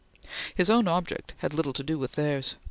His own object had little to do with theirs.